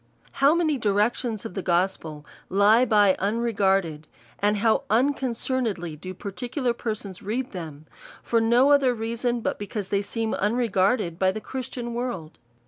How many directions of the gospel lie by unregard ed; and how unconcernedly do particular persons read them; for no other reason^ but because they seem unregarded by the Christian world